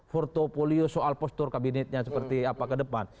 portfolio soal postur kabinetnya seperti apa ke depan